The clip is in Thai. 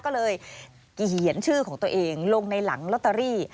ก็เลยเขียนชื่อของตัวเองลงในหลังลอตเตอรี่